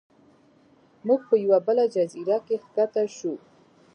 موږ په یوه بله جزیره کې ښکته شو.